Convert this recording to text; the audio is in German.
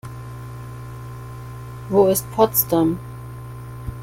Wo ist Potsdam?